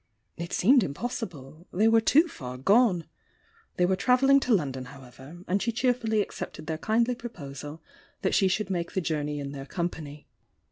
It seemed im possible,— they were too far gone! They were trav elling to London, however; and she cheerfully ac cepted their kindly proposal that she should make the joufiey in their company.